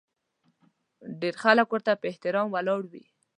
ډېر خلک ورته په احترام ولاړ وي.